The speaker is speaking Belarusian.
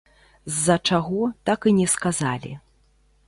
З-за чаго, так і не сказалі.